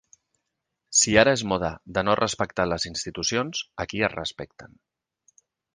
Si ara és moda de no respectar les institucions, aquí es respecten.